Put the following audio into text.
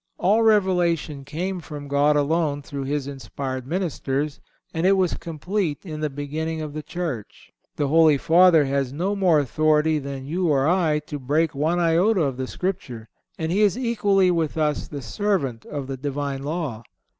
All revelation came from God alone through His inspired ministers, and it was complete in the beginning of the Church. The Holy Father has no more authority than you or I to break one iota of the Scripture, and he is equally with us the servant of the Divine law.